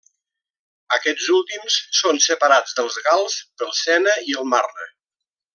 Aquests últims són separats dels gals pel Sena i el Marne.